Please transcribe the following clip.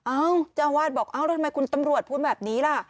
อ้าวจังหวาดบอกแล้วทำไมคุณตำรวจพูดแบบนี้ล่ะ